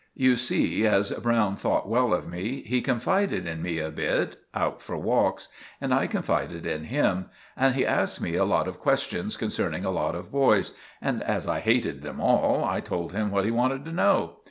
You see, as Browne thought well of me, he confided in me a bit out for walks; and I confided in him; and he asked me a lot of questions concerning a lot of boys; and, as I hated them all, I told him what he wanted to know.